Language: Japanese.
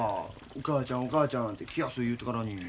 お母ちゃんお母ちゃんって気安う言うてからに。